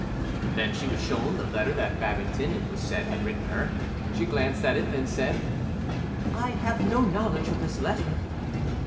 Then she was shown the letter that Babington, it was said, had written her. She glanced at it; then said, "I have no knowledge of this letter".